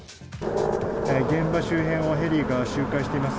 現場周辺をヘリが周回しています。